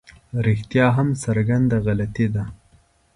رښتیا هم څرګنده غلطي ده.